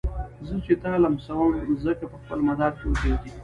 زه چي تا لمسوم مځکه په خپل مدار کي ودريږي